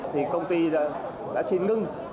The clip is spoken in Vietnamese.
thì công ty đã xin ngưng